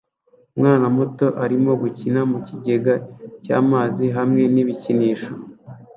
Umwana muto arimo gukina mu kigega cy'amazi hamwe n'ibikinisho